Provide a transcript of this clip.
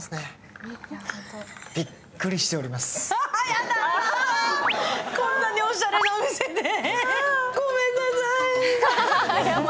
やだ、こんなにおしゃれなお店で！